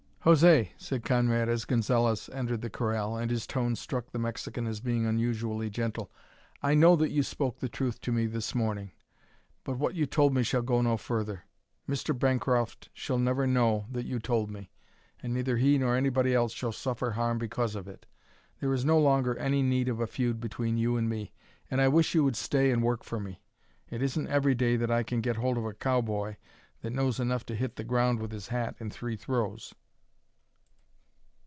"José," said Conrad as Gonzalez entered the corral, and his tone struck the Mexican as being unusually gentle, "I know that you spoke the truth to me this morning. But what you told me shall go no further. Mr. Bancroft shall never know that you told me, and neither he nor anybody else shall suffer harm because of it. There is no longer any need of a feud between you and me, and I wish you would stay and work for me. It isn't every day that I can get hold of a cowboy that knows enough to hit the ground with his hat in three throws."